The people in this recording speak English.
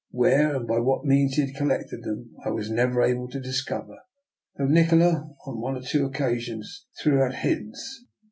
Where and by what means he had collected them I was never able to discover, although Nikola, on one or two occasions, threw out hints.